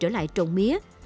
trở lại trồng mía